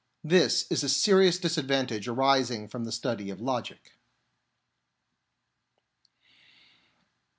This is a serious disadvantage arising from the study of logic.